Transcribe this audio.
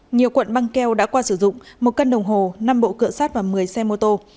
nhiều quận băng keo đã qua sử dụng một cân đồng hồ năm bộ cửa sát và một mươi xe mô tô